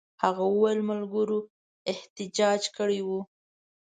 هغه وویل ملګرو احتجاج کړی وو.